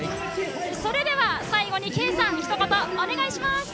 それでは最後に圭さん、ひと言をお願いします。